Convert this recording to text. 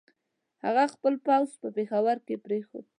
هغه خپل پوځ په پېښور کې پرېښود.